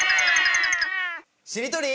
しりとり。